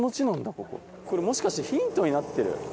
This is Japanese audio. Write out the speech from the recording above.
これもしかしてヒントになってる？